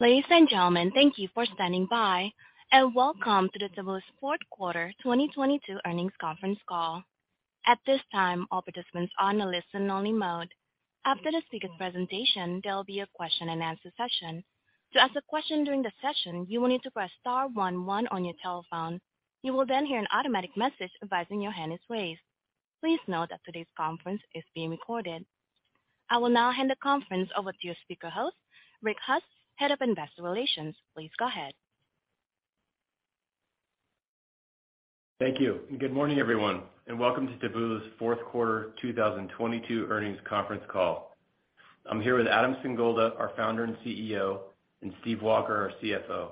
Ladies and gentlemen, thank you for standing by, and welcome to Taboola's Fourth Quarter 2022 earnings conference call. At this time, all participants are in a listen only mode. After the speaker presentation, there will be a question-and-answer session. To ask a question during the session, you will need to press star one one on your telephone. You will then hear an automatic message advising your hand is raised. Please note that today's conference is being recorded. I will now hand the conference over to your speaker host, Rick Hoss, Head of Investor Relations. Please go ahead. Thank you. Good morning, everyone, welcome to Taboola's Fourth Quarter 2022 earnings conference call. I'm here with Adam Singolda, our founder and CEO, and Steve Walker, our CFO.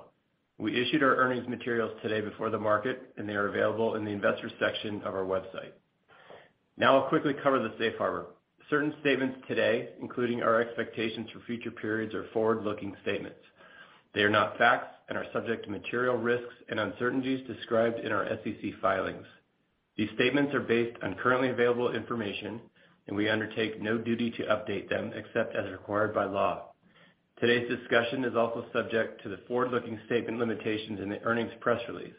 We issued our earnings materials today before the market. They are available in the investor section of our website. Now, I'll quickly cover the safe harbor. Certain statements today, including our expectations for future periods or forward-looking statements. They are not facts and are subject to material risks and uncertainties described in our SEC filings. These statements are based on currently available information, and we undertake no duty to update them except as required by law. Today's discussion is also subject to the forward-looking statement limitations in the earnings press release.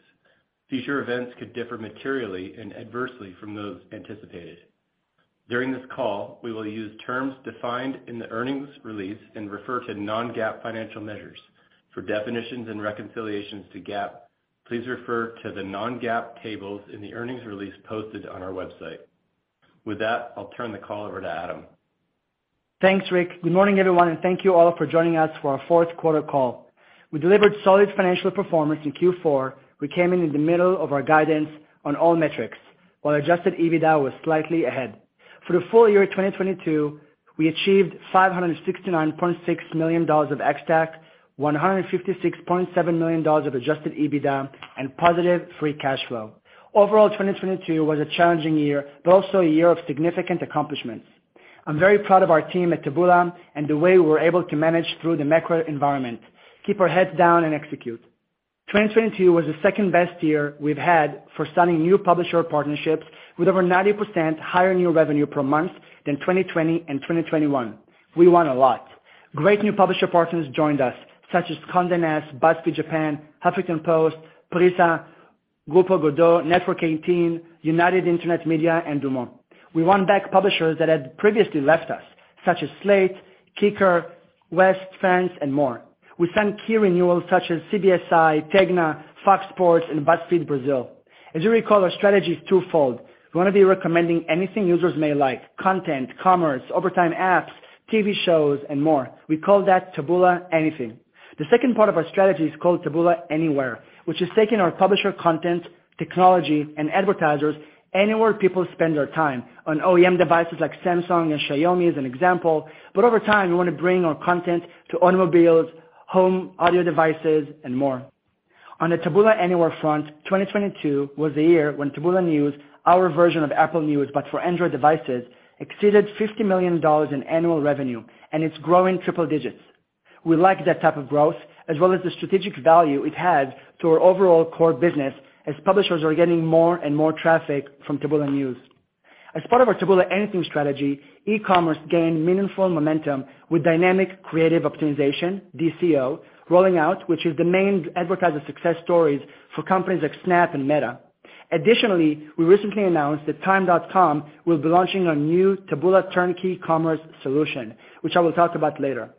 Future events could differ materially and adversely from those anticipated. During this call, we will use terms defined in the earnings release and refer to non-GAAP financial measures. For definitions and reconciliations to GAAP, please refer to the non-GAAP tables in the earnings release posted on our website. With that, I'll turn the call over to Adam. Thanks, Rick. Good morning, everyone, and thank you all for joining us for our Q4 call. We delivered solid financial performance in Q4. We came in in the middle of our guidance on all metrics, while adjusted EBITDA was slightly ahead. For the full year 2022, we achieved $569.6 million of ex-TAC, $156.7 million of adjusted EBITDA and positive free cash flow. Overall, 2022 was a challenging year, but also a year of significant accomplishments. I'm very proud of our team at Taboola and the way we're able to manage through the macro environment, keep our heads down and execute. 2022 was the second-best year we've had for signing new publisher partnerships with over 90% higher new revenue per month than 2020 and 2021. We won a lot. Great new publisher partners joined us, such as Condé Nast, BuzzFeed Japan, HuffPost Japan, PRISA, Grupo Godó, Network18, United Internet Media, and DuMont. We won back publishers that had previously left us, such as Slate, kicker, Ouest-France, and more. We signed key renewals such as CBSI, TEGNA, FOX Sports, and BuzzFeed Brazil. As you recall, our strategy is twofold. We wanna be recommending anything users may like: content, commerce, over-time apps, TV shows, and more. We call that Taboola Anything. The second part of our strategy is called Taboola Anywhere, which is taking our publisher content, technology, and advertisers anywhere people spend their time on OEM devices like Samsung and Xiaomi as an example. Over time, we wanna bring our content to automobiles, home audio devices, and more. On the Taboola Anywhere front, 2022 was the year when Taboola News, our version of Apple News, but for Android devices, exceeded $50 million in annual revenue, and it's growing triple digits. We like that type of growth, as well as the strategic value it has to our overall core business as publishers are getting more and more traffic from Taboola News. As part of our Taboola Anything strategy, e-commerce gained meaningful momentum with dynamic creative optimization, DCO, rolling out, which is the main advertiser success stories for companies like Snap and Meta. Additionally, we recently announced that TIME.com will be launching a new Taboola Turnkey Commerce solution, which I will talk about later.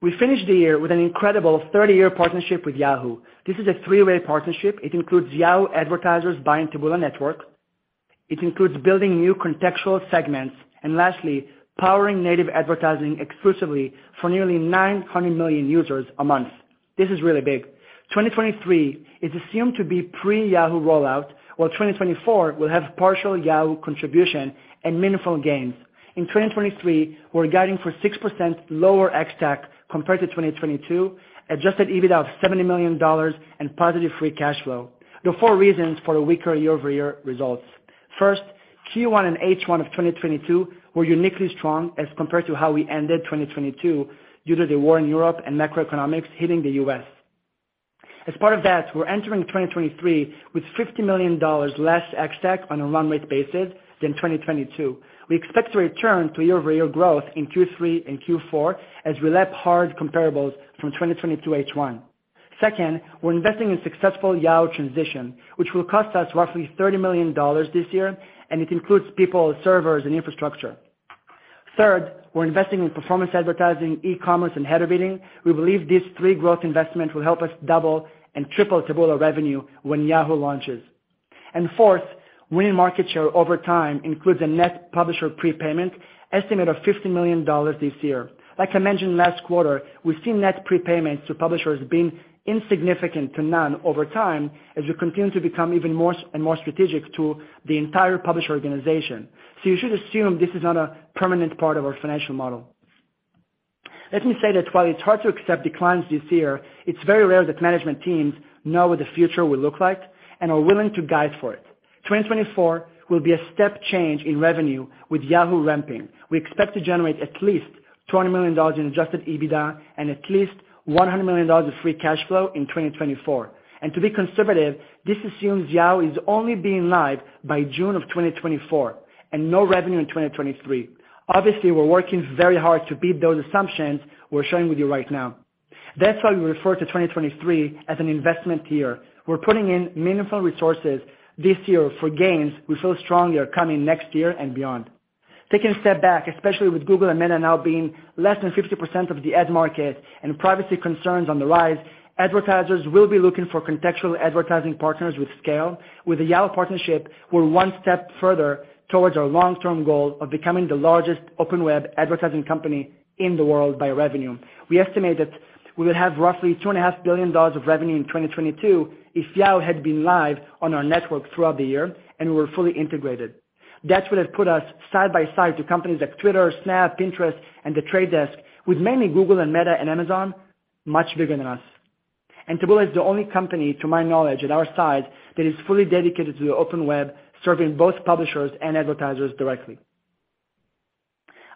We finished the year with an incredible 30-year partnership with Yahoo. This is a 3-way partnership. It includes Yahoo advertisers buying Taboola network. It includes building new contextual segments. Lastly, powering native advertising exclusively for nearly 900 million users a month. This is really big. 2023 is assumed to be pre-Yahoo rollout, while 2024 will have partial Yahoo contribution and meaningful gains. In 2023, we're guiding for 6% lower ex-TAC compared to 2022, Adjusted EBITDA of $70 million and positive free cash flow. There are four reasons for a weaker year-over-year results. First, Q1 and H1 of 2022 were uniquely strong as compared to how we ended 2022 due to the war in Europe and macroeconomics hitting the U.S. As part of that, we're entering 2023 with $50 million less ex-TAC on a run rate basis than 2022. We expect to return to year-over-year growth in Q3 and Q4 as we lap hard comparables from 2022 H1. Second, we're investing in successful Yahoo transition, which will cost us roughly $30 million this year, and it includes people, servers, and infrastructure. Third, we're investing in performance advertising, e-commerce, and header bidding. We believe these three growth investments will help us double and triple Taboola revenue when Yahoo launches. Fourth, winning market share over time includes a net publisher prepayment estimate of $50 million this year. Like I mentioned last quarter, we've seen net prepayments to publishers being insignificant to none over time as we continue to become even more and more strategic to the entire publisher organization. You should assume this is not a permanent part of our financial model. Let me say that while it's hard to accept declines this year, it's very rare that management teams know what the future will look like and are willing to guide for it. 2024 will be a step change in revenue with Yahoo ramping. We expect to generate at least $20 million in Adjusted EBITDA and at least $100 million of free cash flow in 2024. To be conservative, this assumes Yahoo is only being live by June of 2024 and no revenue in 2023. Obviously, we're working very hard to beat those assumptions we're sharing with you right now. That's why we refer to 2023 as an investment year. We're putting in meaningful resources this year for gains we feel strongly are coming next year and beyond. Taking a step back, especially with Google and Meta now being less than 50% of the ad market and privacy concerns on the rise, advertisers will be looking for contextual advertising partners with scale. With the Yahoo partnership, we're one step further towards our long-term goal of becoming the largest open web advertising company in the world by revenue. We estimate that we will have roughly two and a half billion dollars of revenue in 2022 if Yahoo had been live on our network throughout the year, and we were fully integrated. That would have put us side by side to companies like Twitter, Snap, Pinterest, and The Trade Desk, with mainly Google and Meta and Amazon, much bigger than us. Taboola is the only company, to my knowledge, at our size, that is fully dedicated to the open web, serving both publishers and advertisers directly.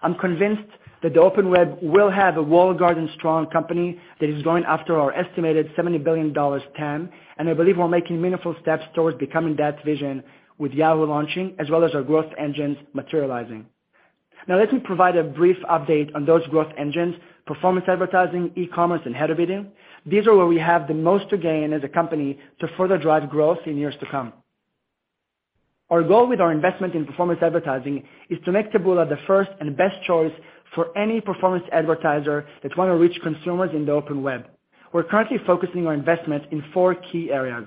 I'm convinced that the open web will have a walled garden-strong company that is going after our estimated $70 billion TAM. I believe we're making meaningful steps towards becoming that vision with Yahoo launching as well as our growth engines materializing. Let me provide a brief update on those growth engines, performance advertising, e-commerce, and header bidding. These are where we have the most to gain as a company to further drive growth in years to come. Our goal with our investment in performance advertising is to make Taboola the first and best choice for any performance advertiser that wanna reach consumers in the open web. We're currently focusing our investment in four key areas.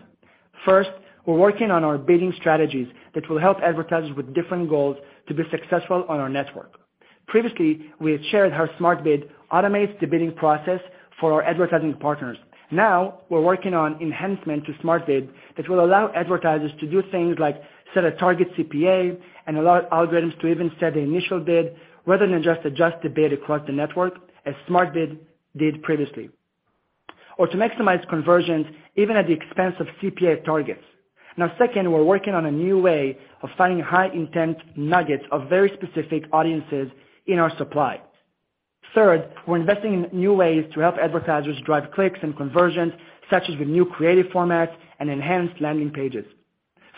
First, we're working on our bidding strategies that will help advertisers with different goals to be successful on our network. Previously, we had shared how Smart Bid automates the bidding process for our advertising partners. We're working on enhancement to Smart Bid that will allow advertisers to do things like set a target CPA and allow algorithms to even set the initial bid rather than just adjust the bid across the network, as Smart Bid did previously, or to maximize conversions even at the expense of CPA targets. Second, we're working on a new way of finding high-intent nuggets of very specific audiences in our supply. Third, we're investing in new ways to help advertisers drive clicks and conversions, such as with new creative formats and enhanced landing pages.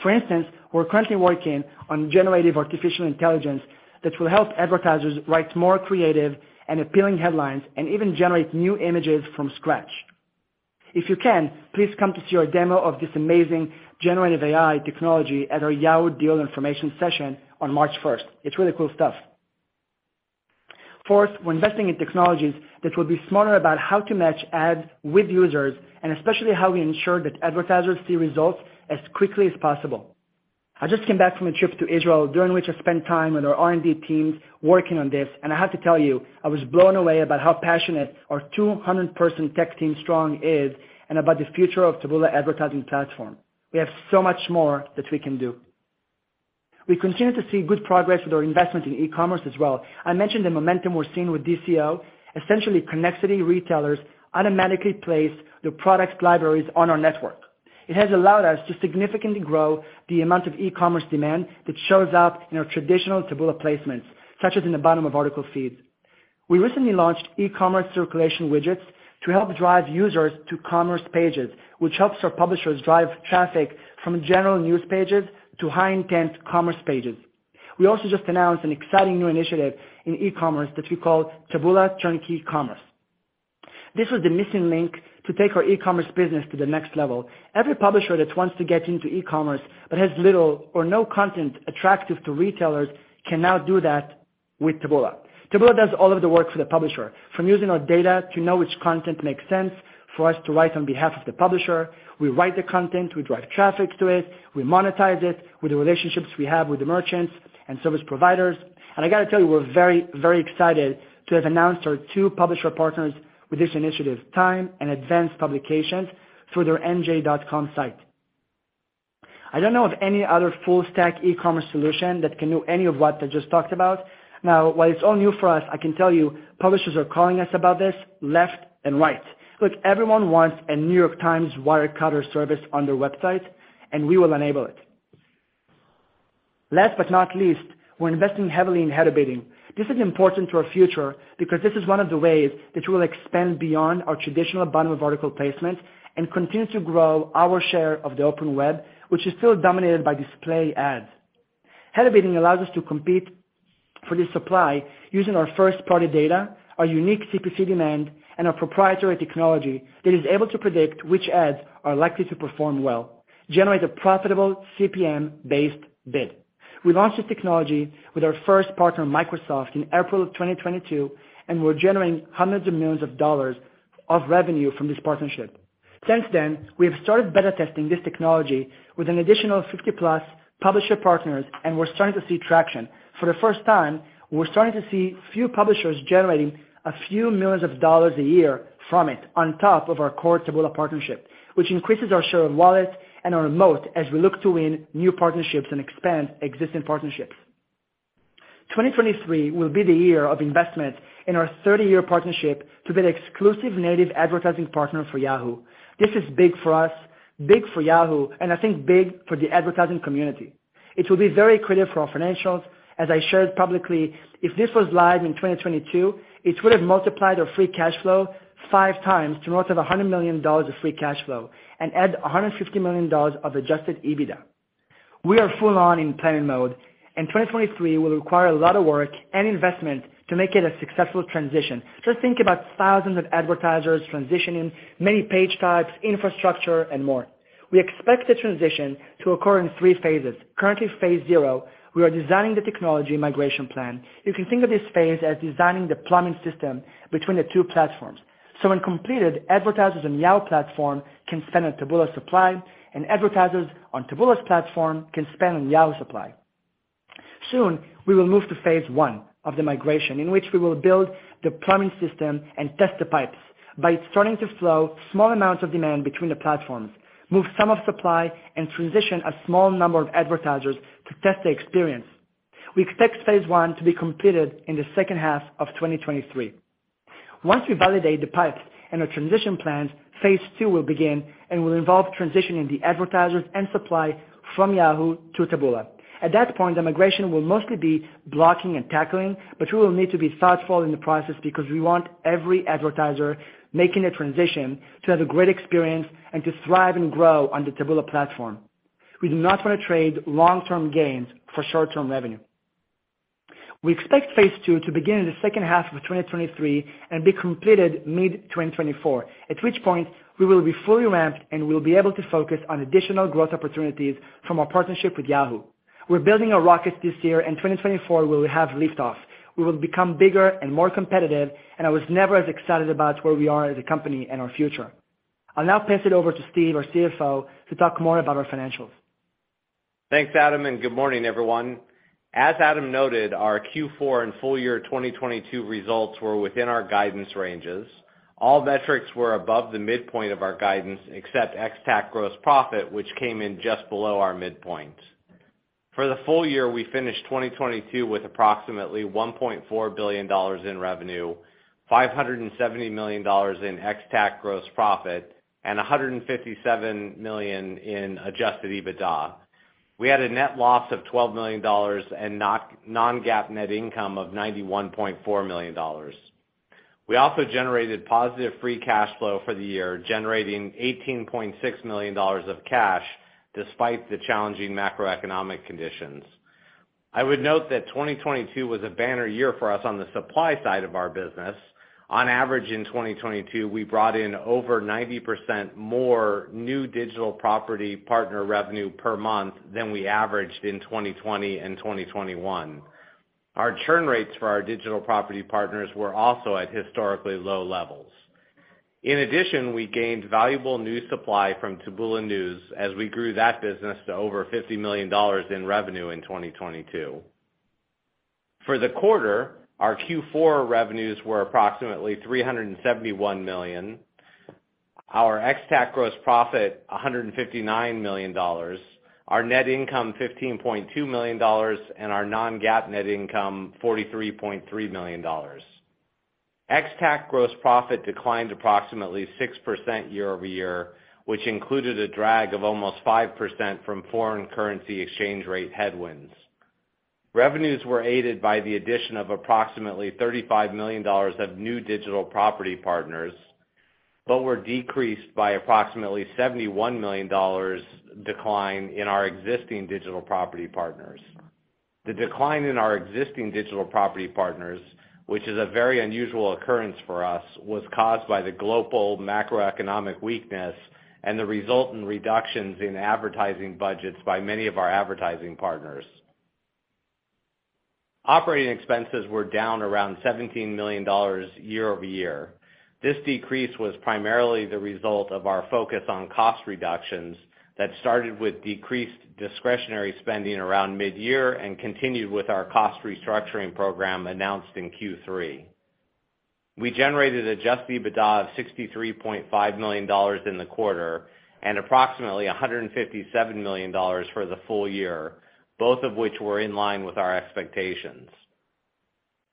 For instance, we're currently working on generative artificial intelligence that will help advertisers write more creative and appealing headlines and even generate new images from scratch. If you can, please come to see our demo of this amazing generative AI technology at our Yahoo deal information session on March first. It's really cool stuff. Fourth, we're investing in technologies that will be smarter about how to match ads with users, and especially how we ensure that advertisers see results as quickly as possible. I just came back from a trip to Israel, during which I spent time with our R&D teams working on this, and I have to tell you, I was blown away about how passionate our 200 person tech team strong is and about the future of Taboola advertising platform. We have so much more that we can do. We continue to see good progress with our investment in e-commerce as well. I mentioned the momentum we're seeing with DCO. Essentially, Connexity retailers automatically place their products libraries on our network. It has allowed us to significantly grow the amount of e-commerce demand that shows up in our traditional Taboola placements, such as in the bottom of article feeds. We recently launched e-commerce circulation widgets to help drive users to commerce pages, which helps our publishers drive traffic from general news pages to high-intent commerce pages. We also just announced an exciting new initiative in e-commerce that we call Taboola Turnkey Commerce. This was the missing link to take our e-commerce business to the next level. Every publisher that wants to get into e-commerce but has little or no content attractive to retailers can now do that with Taboola. Taboola does all of the work for the publisher, from using our data to know which content makes sense for us to write on behalf of the publisher. We write the content. We drive traffic to it. I gotta tell you, we're very, very excited to have announced our two publisher partners with this initiative, TIME and Advance Publications, through their NJ.com site. I don't know of any other full-stack e-commerce solution that can do any of what I just talked about. While it's all new for us, I can tell you publishers are calling us about this left and right. Everyone wants a New York Times Wirecutter service on their website, and we will enable it. Last but not least, we're investing heavily in header bidding. This is important to our future because this is one of the ways that we'll expand beyond our traditional bottom-of-article placement and continue to grow our share of the open web, which is still dominated by display ads. Header bidding allows us to compete for this supply using our first-party data, our unique CPC demand, and our proprietary technology that is able to predict which ads are likely to perform well, generate a profitable CPM-based bid. We launched this technology with our first partner, Microsoft, in April of 2022, and we're generating hundreds of millions of dollars of revenue from this partnership. Since then, we have started beta testing this technology with an additional 50-plus publisher partners, and we're starting to see traction. For the first time, we're starting to see few publishers generating a few millions of dollars a year from it on top of our core Taboola partnership, which increases our share of wallet and our moat as we look to win new partnerships and expand existing partnerships. 2023 will be the year of investment in our 30-year partnership to be the exclusive native advertising partner for Yahoo. This is big for us, big for Yahoo, and I think big for the advertising community. It will be very creative for our financials. As I shared publicly, if this was live in 2022, it would have multiplied our free cash flow 5 times to north of $100 million of free cash flow and add $150 million of Adjusted EBITDA. We are full on in planning mode. 2023 will require a lot of work and investment to make it a successful transition. Just think about thousands of advertisers transitioning many page types, infrastructure, and more. We expect the transition to occur in 3 phases. Currently, phase zero, we are designing the technology migration plan. You can think of this phase as designing the plumbing system between the two platforms. When completed, advertisers on Yahoo platform can spend on Taboola supply, and advertisers on Taboola's platform can spend on Yahoo supply. Soon, we will move to phase one of the migration in which we will build the plumbing system and test the pipes by starting to flow small amounts of demand between the platforms, move some of supply, and transition a small number of advertisers to test the experience. We expect phase one to be completed in the second half of 2023. Once we validate the pipes and our transition plans, phase two will begin and will involve transitioning the advertisers and supply from Yahoo to Taboola. At that point, the migration will mostly be blocking and tackling. We will need to be thoughtful in the process because we want every advertiser making a transition to have a great experience and to thrive and grow on the Taboola platform. We do not want to trade long-term gains for short-term revenue. We expect phase two to begin in the second half of 2023 and be completed mid-2024, at which point we will be fully ramped and we'll be able to focus on additional growth opportunities from our partnership with Yahoo. We're building a rocket this year. 2024 we will have liftoff. We will become bigger and more competitive. I was never as excited about where we are as a company and our future. I'll now pass it over to Steve Walker, our CFO, to talk more about our financials. Thanks, Adam, and good morning, everyone. As Adam noted, our Q4 and full year 2022 results were within our guidance ranges. All metrics were above the midpoint of our guidance, except ex-TAC Gross Profit, which came in just below our midpoint. For the full year, we finished 2022 with approximately $1.4 billion in revenue, $570 million in ex-TAC Gross Profit, and $157 million in Adjusted EBITDA. We had a net loss of $12 million and non-GAAP net income of $91.4 million. We also generated positive free cash flow for the year, generating $18.6 million of cash despite the challenging macroeconomic conditions. I would note that 2022 was a banner year for us on the supply side of our business. On average, in 2022, we brought in over 90% more new digital property partner revenue per month than we averaged in 2020 and 2021. Our churn rates for our digital property partners were also at historically low levels. In addition, we gained valuable new supply from Taboola News as we grew that business to over $50 million in revenue in 2022. For the quarter, our Q4 revenues were approximately $371 million. Our ex-TAC Gross Profit, $159 million. Our net income, $15.2 million, and our non-GAAP net income, $43.3 million. Ex-TAC Gross Profit declined approximately 6% year-over-year, which included a drag of almost 5% from foreign currency exchange rate headwinds. Revenues were aided by the addition of approximately $35 million of new digital property partners, but were decreased by approximately $71 million decline in our existing digital property partners. The decline in our existing digital property partners, which is a very unusual occurrence for us, was caused by the global macroeconomic weakness and the resultant reductions in advertising budgets by many of our advertising partners. Operating expenses were down around $17 million year-over-year. This decrease was primarily the result of our focus on cost reductions that started with decreased discretionary spending around mid-year and continued with our cost restructuring program announced in Q3. We generated Adjusted EBITDA of $63.5 million in the quarter and approximately $157 million for the full year, both of which were in line with our expectations.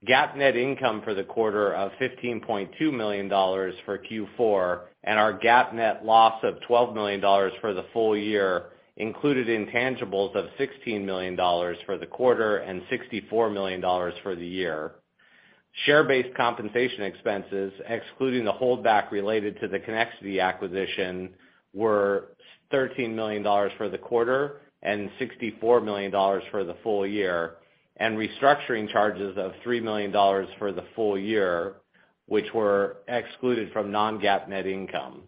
GAAP net income for the quarter of $15.2 million for Q4 and our GAAP net loss of $12 million for the full year included intangibles of $16 million for the quarter and $64 million for the year. Share-based compensation expenses, excluding the holdback related to the Connexity acquisition, were $13 million for the quarter and $64 million for the full year, and restructuring charges of $3 million for the full year, which were excluded from non-GAAP net income.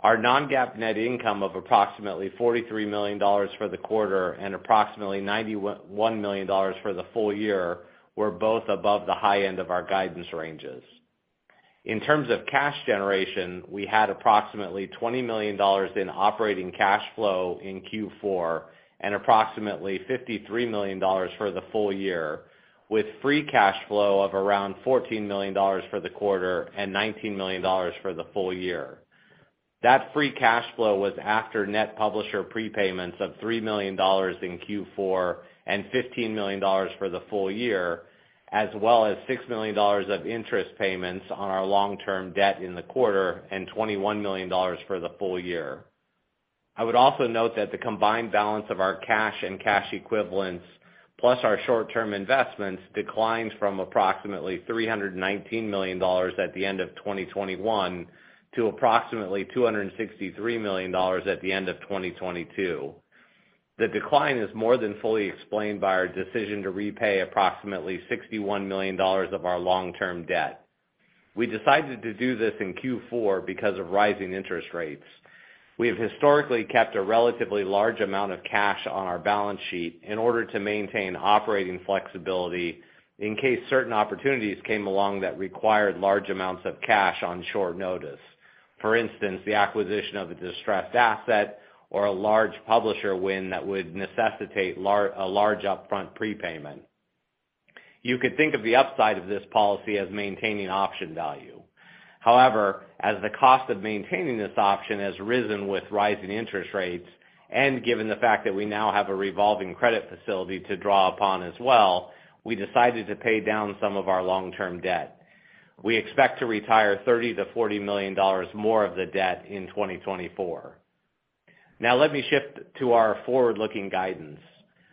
Our non-GAAP net income of approximately $43 million for the quarter and approximately $91 million for the full year were both above the high end of our guidance ranges. In terms of cash generation, we had approximately $20 million in operating cash flow in Q4 and approximately $53 million for the full year, with free cash flow of around $14 million for the quarter and $19 million for the full year. That free cash flow was after net publisher prepayments of $3 million in Q4 and $15 million for the full year, as well as $6 million of interest payments on our long-term debt in the quarter and $21 million for the full year. I would also note that the combined balance of our cash and cash equivalents, plus our short-term investments, declined from approximately $319 million at the end of 2021 to approximately $263 million at the end of 2022. The decline is more than fully explained by our decision to repay approximately $61 million of our long-term debt. We decided to do this in Q4 because of rising interest rates. We have historically kept a relatively large amount of cash on our balance sheet in order to maintain operating flexibility in case certain opportunities came along that required large amounts of cash on short notice. For instance, the acquisition of a distressed asset or a large publisher win that would necessitate a large upfront prepayment. You could think of the upside of this policy as maintaining option value. As the cost of maintaining this option has risen with rising interest rates, and given the fact that we now have a revolving credit facility to draw upon as well, we decided to pay down some of our long-term debt. We expect to retire $30 million-$40 million more of the debt in 2024. Now let me shift to our forward-looking guidance.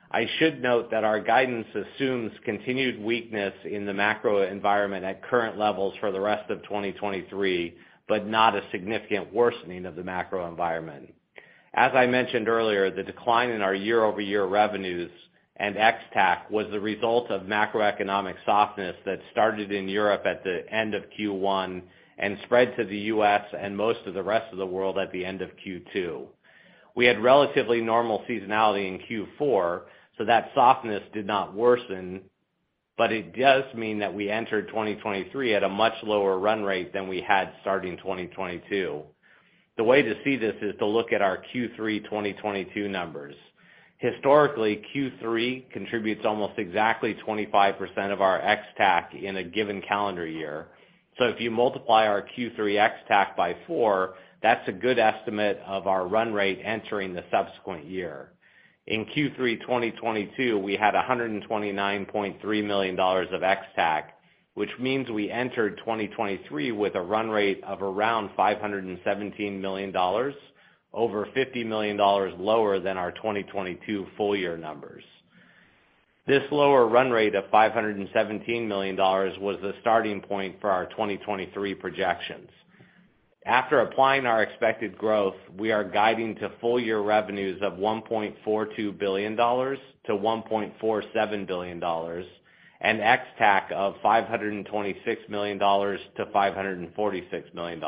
I should note that our guidance assumes continued weakness in the macro environment at current levels for the rest of 2023, but not a significant worsening of the macro environment. As I mentioned earlier, the decline in our year-over-year revenues and ex-TAC was the result of macroeconomic softness that started in Europe at the end of Q1 and spread to the U.S. and most of the rest of the world at the end of Q2. We had relatively normal seasonality in Q4, so that softness did not worsen, but it does mean that we entered 2023 at a much lower run rate than we had starting 2022. The way to see this is to look at our Q3 2022 numbers. Historically, Q3 contributes almost exactly 25% of our ex TAC in a given calendar year. If you multiply our Q3 ex TAC by 4, that's a good estimate of our run rate entering the subsequent year. In Q3 2022, we had $129.3 million of ex TAC, which means we entered 2023 with a run rate of around $517 million, over $50 million lower than our 2022 full year numbers. This lower run rate of $517 million was the starting point for our 2023 projections. After applying our expected growth, we are guiding to full year revenues of $1.42 billion-$1.47 billion and ex-TAC of $526 million-$546 million.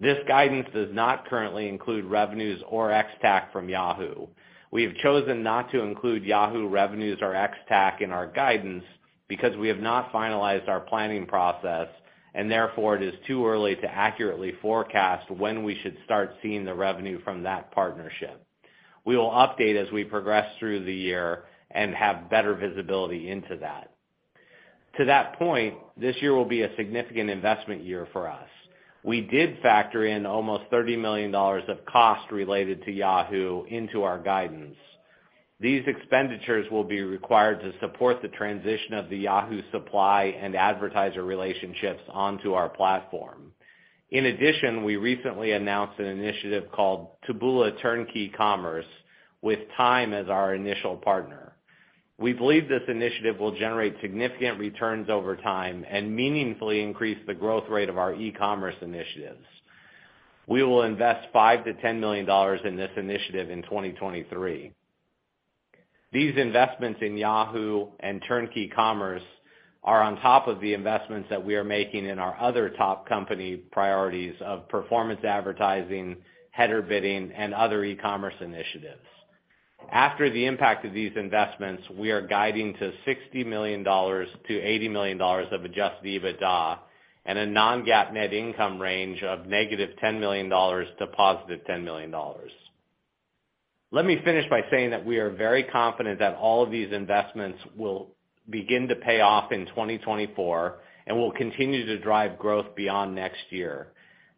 This guidance does not currently include revenues or ex-TAC from Yahoo. We have chosen not to include Yahoo revenues or ex-TAC in our guidance because we have not finalized our planning process and therefore it is too early to accurately forecast when we should start seeing the revenue from that partnership. We will update as we progress through the year and have better visibility into that. To that point, this year will be a significant investment year for us. We did factor in almost $30 million of cost related to Yahoo into our guidance. These expenditures will be required to support the transition of the Yahoo supply and advertiser relationships onto our platform. We recently announced an initiative called Taboola Turnkey Commerce with TIME as our initial partner. We believe this initiative will generate significant returns over time and meaningfully increase the growth rate of our e-commerce initiatives. We will invest $5 million-$10 million in this initiative in 2023. These investments in Yahoo and Turnkey Commerce are on top of the investments that we are making in our other top company priorities of performance advertising, header bidding, and other e-commerce initiatives. After the impact of these investments, we are guiding to $60 million-$80 million of Adjusted EBITDA and a non-GAAP net income range of -$10 million to +$10 million. Let me finish by saying that we are very confident that all of these investments will begin to pay off in 2024 and will continue to drive growth beyond next year.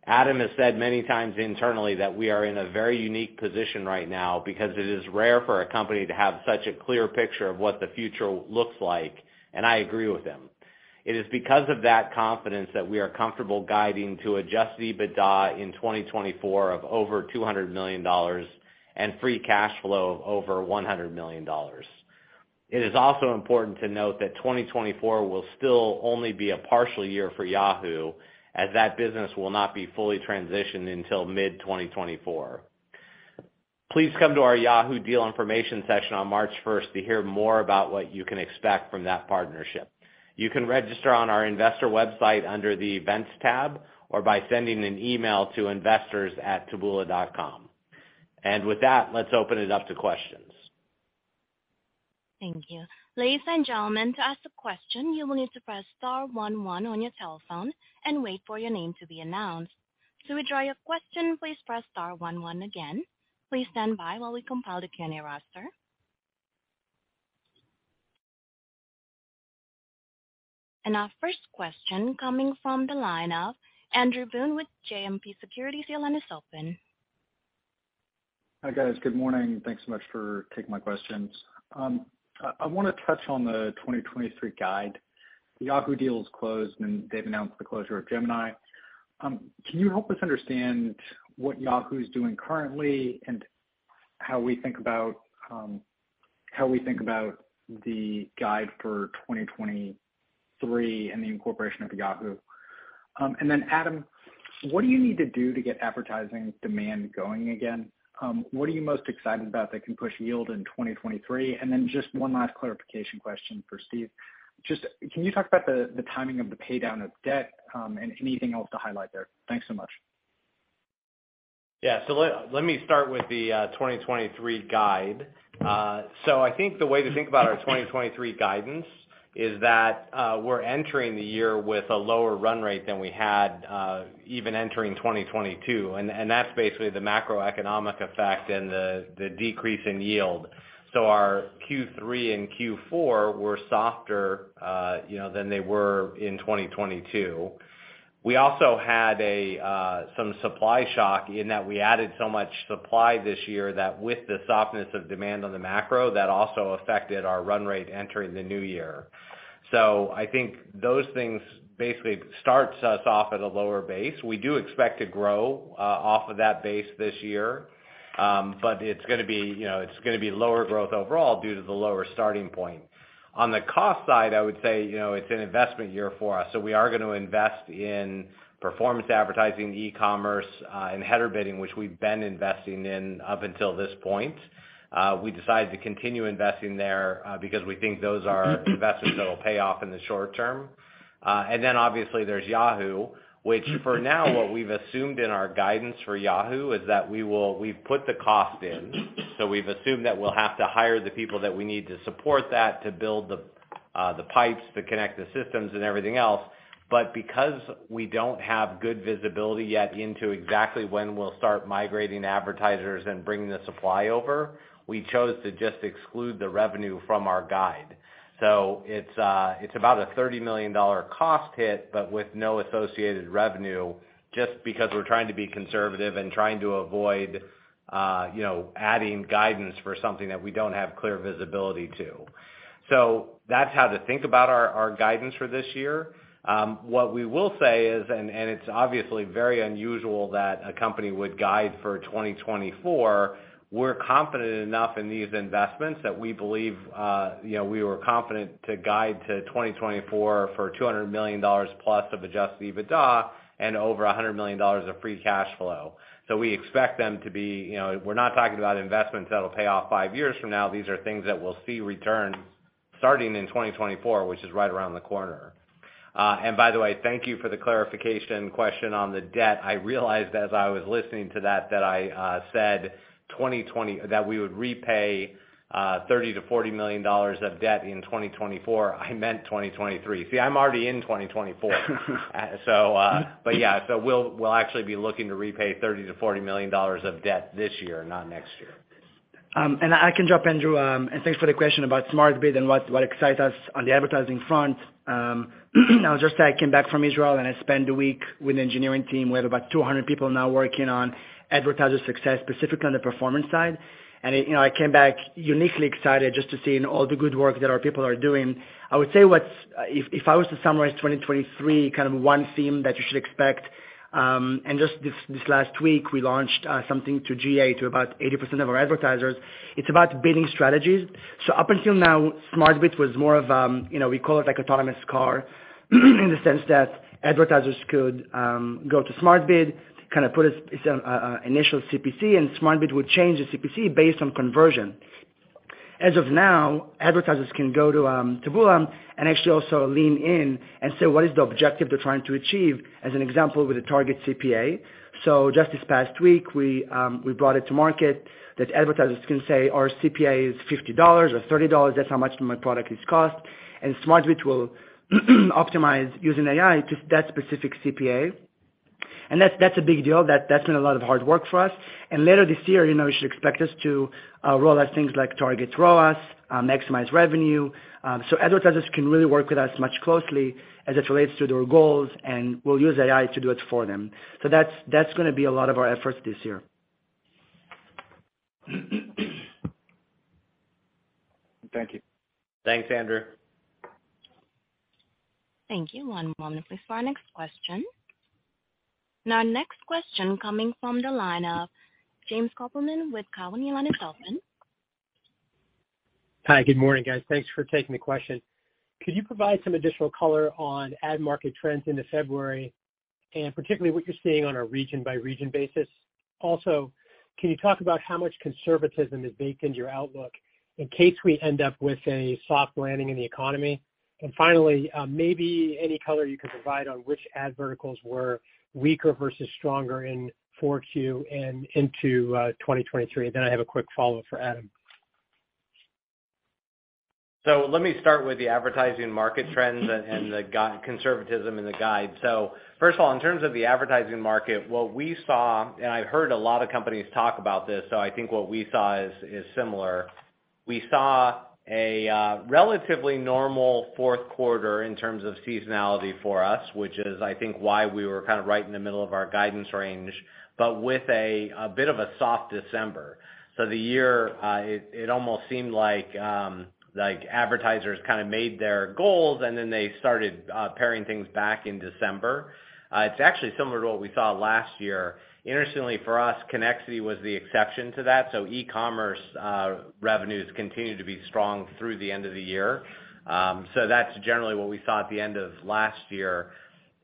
Adam has said many times internally that we are in a very unique position right now because it is rare for a company to have such a clear picture of what the future looks like, and I agree with him. It is because of that confidence that we are comfortable guiding to Adjusted EBITDA in 2024 of over $200 million and free cash flow of over $100 million. It is also important to note that 2024 will still only be a partial year for Yahoo, as that business will not be fully transitioned until mid-2024. Please come to our Yahoo deal information session on March 1st to hear more about what you can expect from that partnership. You can register on our investor website under the Events tab or by sending an email to investors@taboola.com. With that, let's open it up to questions. Thank you. Ladies and gentlemen, to ask a question, you will need to press star one one on your telephone and wait for your name to be announced. To withdraw your question, please press star one one again. Please stand by while we compile the Q&A roster. Our first question coming from the line of Andrew Boone with JMP Securities. Your line is open. Hi guys. Good morning. Thanks so much for taking my questions. I wanna touch on the 2023 guide. The Yahoo deal is closed. They've announced the closure of Gemini. Can you help us understand what Yahoo is doing currently and how we think about how we think about the guide for 2023 and the incorporation of Yahoo? Adam, what do you need to do to get advertising demand going again? What are you most excited about that can push yield in 2023? Just one last clarification question for Steve. Just, can you talk about the timing of the pay-down of debt and anything else to highlight there? Thanks so much. Yeah. Let me start with the 2023 guide. I think the way to think about our 2023 guidance is that we're entering the year with a lower run rate than we had even entering 2022, and that's basically the macroeconomic effect and the decrease in yield. Our Q3 and Q4 were softer, you know, than they were in 2022. We also had a some supply shock in that we added so much supply this year that with the softness of demand on the macro, that also affected our run rate entering the new year. I think those things basically starts us off at a lower base. We do expect to grow off of that base this year. It's gonna be, you know, it's gonna be lower growth overall due to the lower starting point. On the cost side, I would say, you know, it's an investment year for us, so we are gonna invest in performance advertising, e-commerce, and header bidding, which we've been investing in up until this point. We decided to continue investing there because we think those are investments that will pay off in the short term. Obviously there's Yahoo, which for now what we've assumed in our guidance for Yahoo is that We've put the cost in, so we've assumed that we'll have to hire the people that we need to support that to build the pipes to connect the systems and everything else. Because we don't have good visibility yet into exactly when we will start migrating advertisers and bringing the supply over, we chose to just exclude the revenue from our guide. It's about a $30 million cost hit, but with no associated revenue, just because we're trying to be conservative and trying to avoid, you know, adding guidance for something that we don't have clear visibility to. That's how to think about our guidance for this year. What we will say is, it's obviously very unusual that a company would guide for 2024, we're confident enough in these investments that we believe, you know, we were confident to guide to 2024 for $200 million+ of Adjusted EBITDA and over $100 million of free cash flow. We expect them to be, you know, we're not talking about investments that'll pay off 5 years from now. These are things that we'll see return starting in 2024, which is right around the corner. By the way, thank you for the clarification question on the debt. I realized as I was listening to that I said that we would repay $30 million-$40 million of debt in 2024. I meant 2023. See, I'm already in 2024. Yeah. We'll actually be looking to repay $30 million-$40 million of debt this year, not next year. I can jump in, Drew, and thanks for the question about Smart Bid and what excite us on the advertising front. Now just I came back from Israel, and I spent a week with engineering team. We have about 200 people now working on advertiser success, specifically on the performance side. It, you know, I came back uniquely excited just to seeing all the good work that our people are doing. I would say If I was to summarize 2023, kind of one theme that you should expect, just this last week, we launched something to GA to about 80% of our advertisers. It's about bidding strategies. Up until now, Smart Bid was more of, you know, we call it like autonomous car, in the sense that advertisers could go to Smart Bid to kind of put a initial CPC, and Smart Bid would change the CPC based on conversion. As of now, advertisers can go to Taboola and actually also lean in and say, what is the objective they're trying to achieve, as an example, with a target CPA. Just this past week, we brought it to market that advertisers can say, "Our CPA is $50 or $30. That's how much my product is cost." Smart Bid will optimize using AI to that specific CPA. That's a big deal. That's been a lot of hard work for us. Later this year, you know, you should expect us to roll out things like target ROAS, maximize revenue. Advertisers can really work with us much closely as it relates to their goals, and we'll use AI to do it for them. That's gonna be a lot of our efforts this year. Thank you. Thanks, Andrew. Thank you. One moment please for our next question. Now next question coming from the line of James Kopelman with Cowen and Company. Hi. Good morning, guys. Thanks for taking the question. Could you provide some additional color on ad market trends into February, and particularly what you're seeing on a region by region basis? Also, can you talk about how much conservatism is baked into your outlook in case we end up with a soft landing in the economy? Finally, maybe any color you could provide on which ad verticals were weaker versus stronger in Q4 and into 2023. I have a quick follow-up for Adam. Let me start with the advertising market trends and conservatism in the guide. First of all, in terms of the advertising market, what we saw, and I heard a lot of companies talk about this, I think what we saw is similar. We saw a relatively normal fourth quarter in terms of seasonality for us, which is I think why we were kind of right in the middle of our guidance range, but with a bit of a soft December. The year almost seemed like advertisers kind of made their goals and then they started paring things back in December. It's actually similar to what we saw last year. Interestingly for us, Connexity was the exception to that. E-commerce revenues continued to be strong through the end of the year. That's generally what we saw at the end of last year.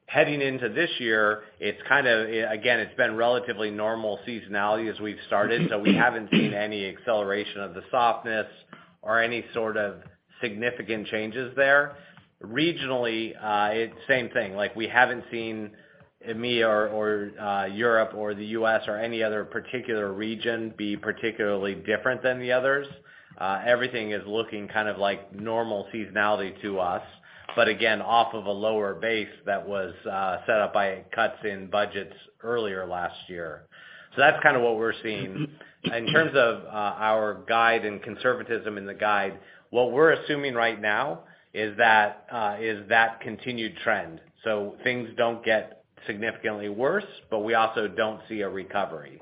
Heading into this year, it's kind of, again, it's been relatively normal seasonality as we've started, so we haven't seen any acceleration of the softness or any sort of significant changes there. Regionally, it's same thing, like we haven't seen EMEA or Europe or the US or any other particular region be particularly different than the others. Everything is looking kind of like normal seasonality to us. Again, off of a lower base that was set up by cuts in budgets earlier last year. That's kind of what we're seeing. In terms of our guide and conservatism in the guide, what we're assuming right now is that continued trend. Things don't get significantly worse, but we also don't see a recovery.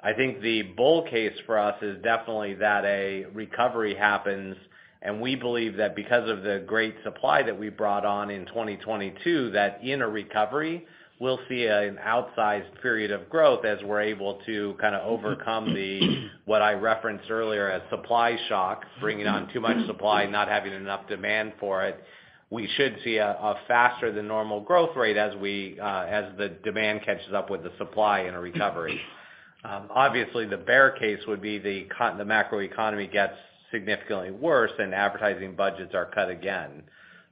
I think the bull case for us is definitely that a recovery happens, and we believe that because of the great supply that we brought on in 2022, that in a recovery we'll see an outsized period of growth as we're able to kind of overcome the, what I referenced earlier as supply shock, bringing on too much supply, not having enough demand for it. We should see a faster than normal growth rate as the demand catches up with the supply in a recovery. Obviously the bear case would be the macro economy gets significantly worse and advertising budgets are cut again.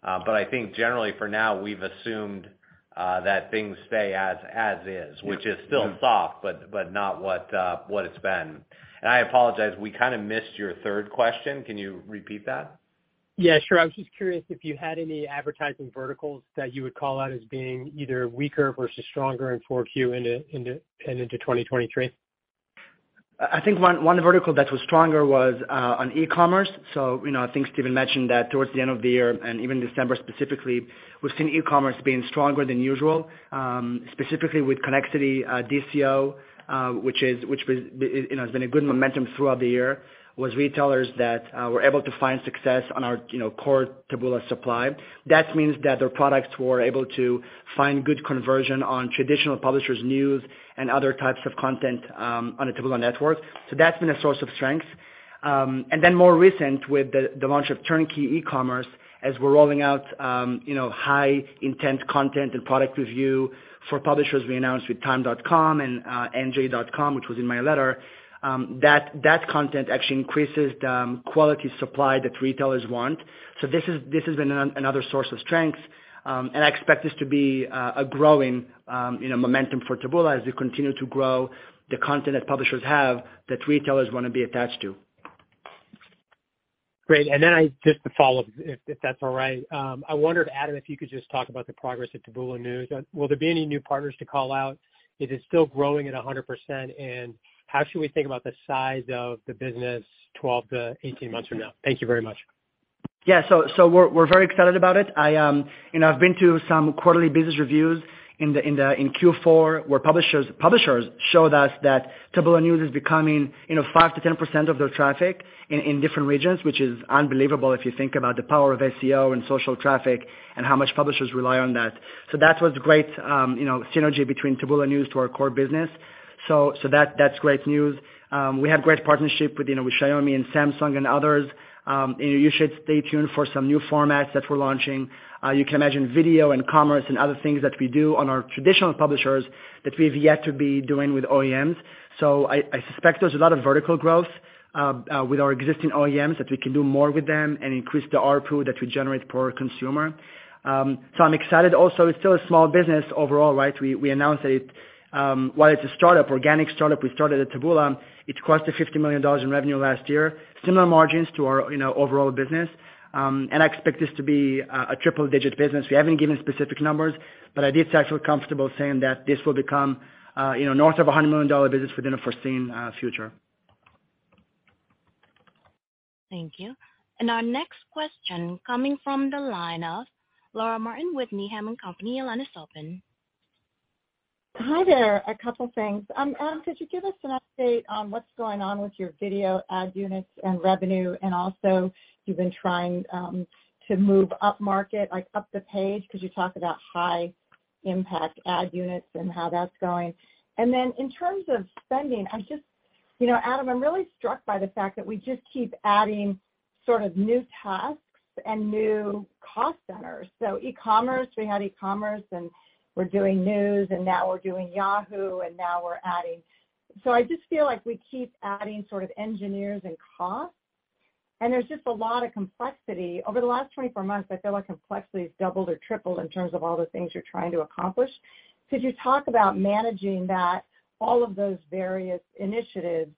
I think generally for now, we've assumed that things stay as is, which is still soft, but not what it's been. I apologize, we kind of missed your third question. Can you repeat that? Yeah, sure. I was just curious if you had any advertising verticals that you would call out as being either weaker versus stronger in 4Q into, and into 2023? I think one vertical that was stronger was on e-commerce. You know, I think Stephen Ju mentioned that towards the end of the year and even December specifically, we've seen e-commerce being stronger than usual. Specifically with Connexity, DCO, which was, you know, has been a good momentum throughout the year, was retailers that were able to find success on our, you know, core Taboola supply. That means that their products were able to find good conversion on traditional publishers news and other types of content on a Taboola network. That's been a source of strength. More recent with the launch of Turnkey e-commerce as we're rolling out, you know, high intent content and product review for publishers we announced with TIME.com and NJ.com, which was in my letter. That, that content actually increases the quality supply that retailers want. This has been another source of strength. I expect this to be a growing, you know, momentum for Taboola as we continue to grow the content that publishers have that retailers wanna be attached to. Great. I just to follow up if that's all right. I wondered, Adam, if you could just talk about the progress at Taboola News. Will there be any new partners to call out? It is still growing at 100%. How should we think about the size of the business 12-18 months from now? Thank you very much. We're very excited about it. I, you know, I've been to some quarterly business reviews in Q4 where publishers showed us that Taboola News is becoming, you know, 5%-10% of their traffic in different regions, which is unbelievable if you think about the power of SEO and social traffic and how much publishers rely on that. That was great, you know, synergy between Taboola News to our core business. That's great news. We have great partnership with, you know, with Xiaomi and Samsung and others. You should stay tuned for some new formats that we're launching. You can imagine video and commerce and other things that we do on our traditional publishers that we've yet to be doing with OEMs. I suspect there's a lot of vertical growth with our existing OEMs that we can do more with them and increase the ARPU that we generate per consumer. I'm excited also. It's still a small business overall, right? We announced that it, while it's a startup, organic startup we started at Taboola, it crossed $50 million in revenue last year. Similar margins to our, you know, overall business. I expect this to be a triple digit business. We haven't given specific numbers, but I did feel comfortable saying that this will become, you know, north of a $100 million business within a foreseen future. Thank you. Our next question coming from the line of Laura Martin with Needham & Company. Your line is open. Hi there. A couple things. Adam, could you give us an update on what's going on with your video ad units and revenue? Also you've been trying to move upmarket, like up the page 'cause you talk about high impact ad units and how that's going. Then in terms of spending, I'm just, you know, Adam, I'm really struck by the fact that we just keep adding sort of new tasks and new cost centers. E-commerce, we had e-commerce and we're doing news, and now we're doing Yahoo, and now we're adding... I just feel like we keep adding sort of engineers and costs and there's just a lot of complexity. Over the last 24 months, I feel like complexity has doubled or tripled in terms of all the things you're trying to accomplish. Could you talk about managing that, all of those various initiatives,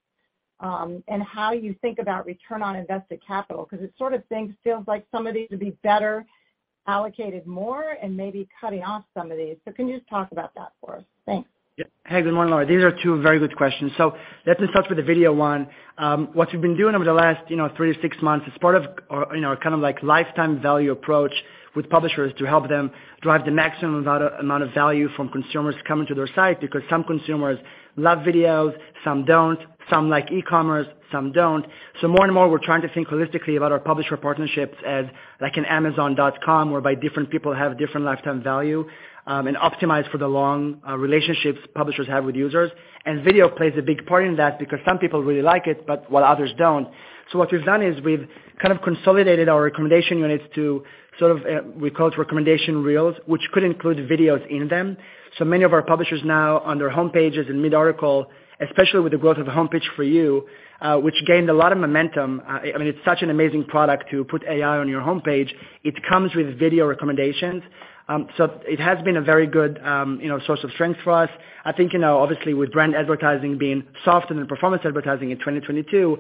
and how you think about return on invested capital? It sort of feels like some of these would be better Allocated more and maybe cutting off some of these. Can you just talk about that for us? Thanks. Hey, good morning, Laura. These are two very good questions. Let me start with the video one. What we've been doing over the last, you know, three to six months as part of or, you know, kind of like lifetime value approach with publishers to help them drive the maximum amount of value from consumers coming to their site because some consumers love videos, some don't, some like e-commerce, some don't. More and more we're trying to think holistically about our publisher partnerships as like an Amazon.com, whereby different people have different lifetime value, and optimize for the long relationships publishers have with users. Video plays a big part in that because some people really like it, but while others don't. What we've done is we've kind of consolidated our recommendation units to sort of, we call it recommendation reels, which could include videos in them. Many of our publishers now on their homepages and mid-article, especially with the growth of Homepage For You, which gained a lot of momentum. I mean, it's such an amazing product to put AI on your homepage. It comes with video recommendations. It has been a very good, you know, source of strength for us. I think, you know, obviously with brand advertising being soft and the performance advertising in 2022,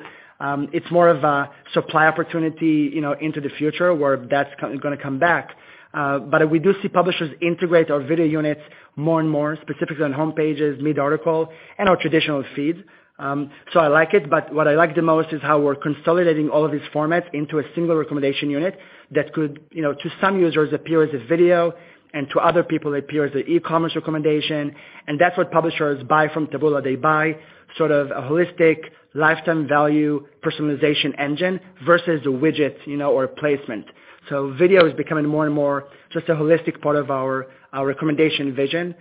it's more of a supply opportunity, you know, into the future where that's gonna come back. We do see publishers integrate our video units more and more specifically on homepages, mid-article and our traditional feeds. I like it, but what I like the most is how we're consolidating all of these formats into a single recommendation unit that could, you know, to some users appear as a video and to other people appear as a e-commerce recommendation. That's what publishers buy from Taboola. They buy sort of a holistic lifetime value personalization engine versus a widget, you know, or placement. Video is becoming more and more just a holistic part of our recommendation vision.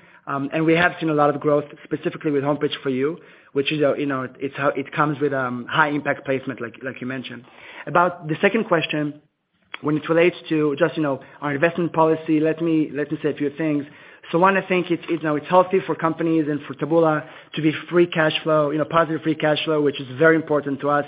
We have seen a lot of growth specifically with Homepage For You, which is a, you know, it's how it comes with high impact placement like you mentioned. About the second question when it relates to just, you know, our investment policy. Let me say a few things. One, I think it's now healthy for companies and for Taboola to be free cash flow, you know, positive free cash flow, which is very important to us.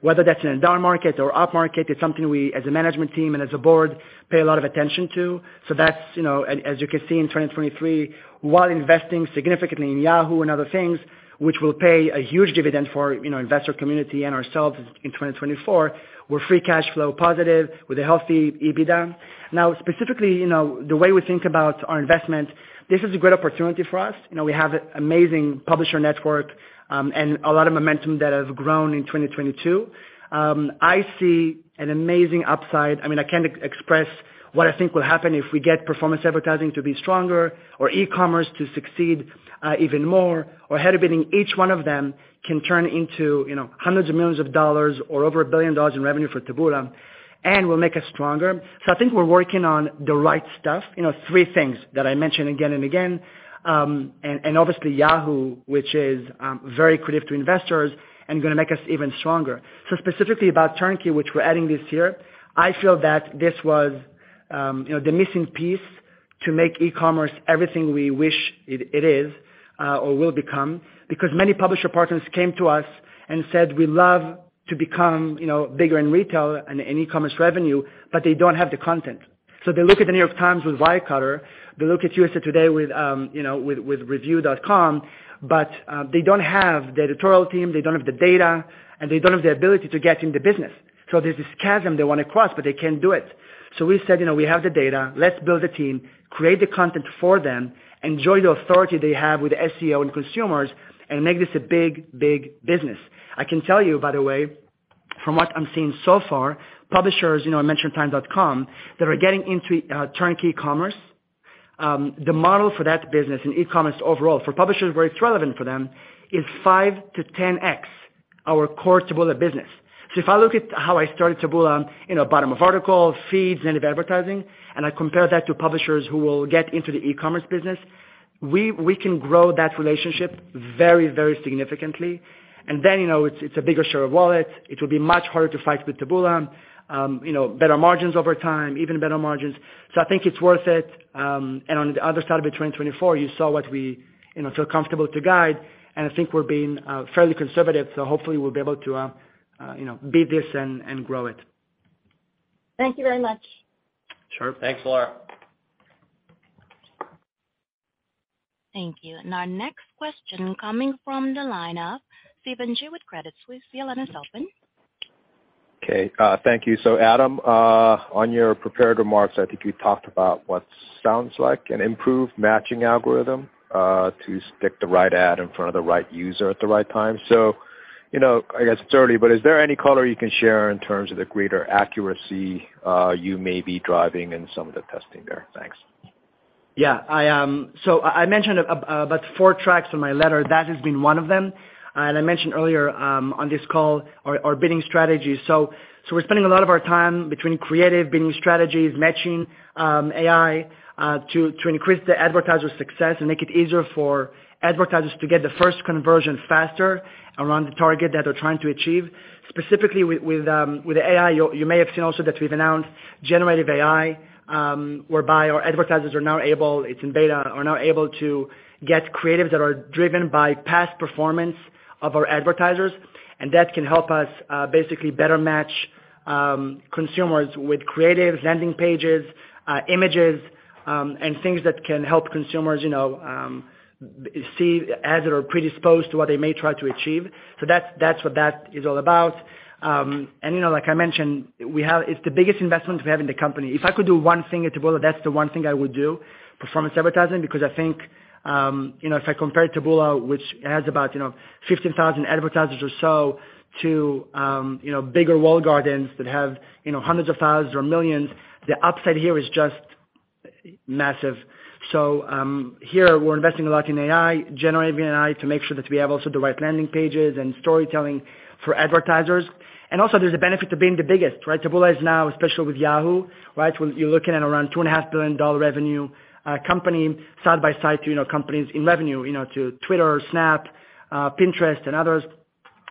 Whether that's in a down market or up market, it's something we as a management team and as a board pay a lot of attention to. That's, you know, as you can see in 2023, while investing significantly in Yahoo and other things which will pay a huge dividend for, you know, investor community and ourselves in 2024, we're free cash flow positive with a healthy EBITDA. Now, specifically, you know, the way we think about our investment, this is a great opportunity for us. You know, we have an amazing publisher network and a lot of momentum that has grown in 2022. I see an amazing upside. I mean, I can't express what I think will happen if we get performance advertising to be stronger or e-commerce to succeed, even more or ahead of bidding. Each one of them can turn into, you know, hundreds of millions of dollars or over $1 billion in revenue for Taboola and will make us stronger. I think we're working on the right stuff. You know, three things that I mention again and again. And obviously Yahoo, which is very accretive to investors and gonna make us even stronger. Specifically about Turnkey, which we're adding this year, I feel that this was, you know, the missing piece to make e-commerce everything we wish it is or will become. Because many publisher partners came to us and said, "We love to become, you know, bigger in retail and in e-commerce revenue," but they don't have the content. They look at the New York Times with Wirecutter, they look at USA Today with, you know, with Reviewed, but they don't have the editorial team, they don't have the data, and they don't have the ability to get in the business. There's this chasm they wanna cross, but they can't do it. We said, "You know, we have the data. Let's build a team, create the content for them, enjoy the authority they have with SEO and consumers, and make this a big, big business." I can tell you, by the way, from what I'm seeing so far, publishers, you know, I mentioned TIME.com, that are getting into Turnkey Commerce. The model for that business in e-commerce overall for publishers where it's relevant for them is 5x-10x our core Taboola business. If I look at how I started Taboola, you know, bottom of article, feeds, native advertising, and I compare that to publishers who will get into the e-commerce business, we can grow that relationship very, very significantly. You know, it's a bigger share of wallet. It will be much harder to fight with Taboola. You know, better margins over time, even better margins. I think it's worth it. On the other side of it, 2024, you saw what we, you know, feel comfortable to guide, and I think we're being fairly conservative. Hopefully we'll be able to, you know, beat this and grow it. Thank you very much. Sure. Thanks, Laura. Thank you. Our next question coming from the line of Stephen Ju with Credit Suisse. Your line is open. Okay. Thank you. Adam, on your prepared remarks, I think you talked about what sounds like an improved matching algorithm, to stick the right ad in front of the right user at the right time. You know, I guess it's early, but is there any color you can share in terms of the greater accuracy, you may be driving in some of the testing there? Thanks. Yeah. I mentioned about four tracks in my letter, that has been one of them. I mentioned earlier on this call our bidding strategy. We're spending a lot of our time between creative bidding strategies, matching AI to increase the advertiser success and make it easier for advertisers to get the first conversion faster around the target that they're trying to achieve. Specifically with AI, you may have seen also that we've announced generative AI, whereby our advertisers are now able, it's in beta, are now able to get creatives that are driven by past performance of our advertisers. That can help us basically better match consumers with creative landing pages, images. Things that can help consumers, you know, see as it or predisposed to what they may try to achieve. That's what that is all about. You know, like I mentioned, it's the biggest investment we have in the company. If I could do one thing at Taboola, that's the one thing I would do, performance advertising, because I think, you know, if I compare Taboola, which has about, you know, 15,000 advertisers or so to, you know, bigger walled gardens that have, you know, hundreds of thousands or millions, the upside here is just massive. Here we're investing a lot in AI, generative AI, to make sure that we have also the right landing pages and storytelling for advertisers. Also there's a benefit to being the biggest, right? Taboola is now, especially with Yahoo, right? You're looking at around $2.5 billion revenue company side by side to companies in revenue, you know, to Twitter, Snap, Pinterest and others.